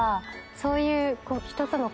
そういう。